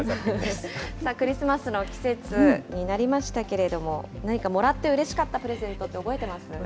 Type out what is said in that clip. クリスマスの季節になりましたけれども、何かもらってうれしかったプレゼントって覚えてます